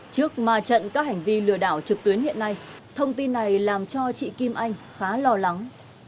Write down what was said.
trước ma trận các hành vi lừa đảo trực tuyến hiện nay thông tin này làm cho chị kim anh khá lo lắng